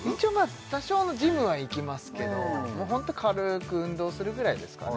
多少ジムは行きますけどもうホント軽く運動するぐらいですかね